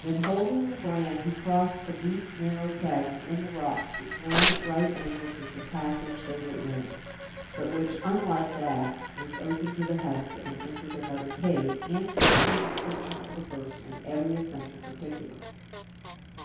Then, holding the brand, he crossed a deep, narrow chasm in the rocks which ran at right angles with the passage they were in, but which, unlike that, was open to the heavens, and entered another cave, answering to the description of the first, in every essential particular.